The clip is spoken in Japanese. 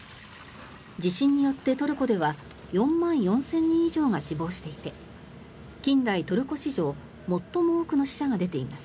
地震によってトルコでは４万４４００人以上が死亡していて近代トルコ史上最も多くの死者が出ています。